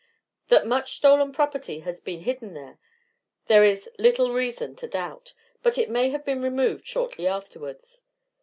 "That much stolen property has been hidden there, there is little reason to doubt, but it may have been removed shortly afterwards.